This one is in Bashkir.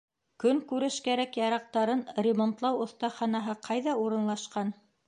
Көнкүреш кәрәк-яраҡтарын ремонтлау оҫтаханаһы ҡайҙа урынлашҡан?